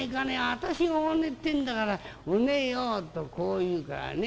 私がお寝って言うんだからお寝よ』とこう言うからね